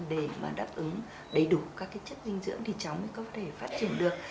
để mà đáp ứng đầy đủ các chất dinh dưỡng thì cháu mới có thể phát triển được